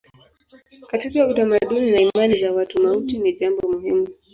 Katika utamaduni na imani za watu mauti ni jambo muhimu.